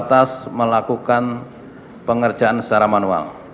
kita harus melakukan pengerjaan secara manual